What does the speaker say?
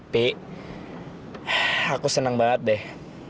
pi aku seneng banget deh